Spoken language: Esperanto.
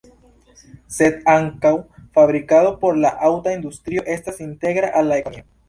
Sed ankaŭ fabrikado por la aŭta industrio estas integra al la ekonomio.